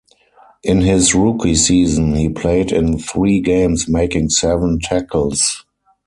In his rookie season, he played in three games making seven tackles.